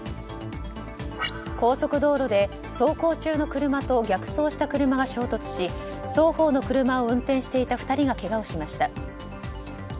高速道路で走行中の車と逆走した車が衝突し双方の車を運転していた２人がけがをしました。